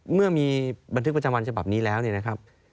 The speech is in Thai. เมื่อมีบันทึกประจำวันฉบับนี้แล้วเนี่ยนะครับ